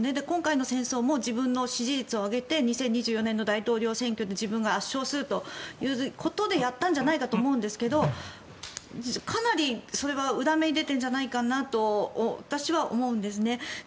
今回の戦争も自分の支持率を上げて２０２４年の大統領選挙で自分が圧勝するということでやったんじゃないかと思うんですけどかなりそれは裏目に出ているんじゃないかと私は思うんですね。